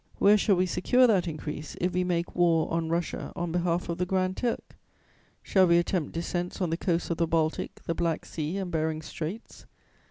"Where shall we secure that increase, if we make war on Russia on behalf of the Grand Turk? Shall we attempt descents on the coasts of the Baltic, the Black Sea and Behring's Straits?